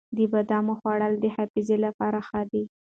د بادامو خوړل د حافظې لپاره ښه دي.